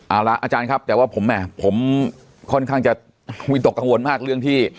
เอาละอาจารย์ครับแต่ว่าผมค่อนข้างจะวิตกกังวลมากเรื่องที่